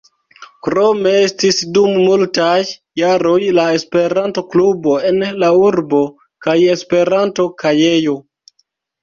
Krome estis dum multaj jaroj la Esperanto-klubo en la urbo, kaj Esperanto-kajejo.